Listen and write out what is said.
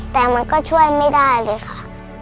แต่มันก็ช่วยไม่ได้เลยค่ะ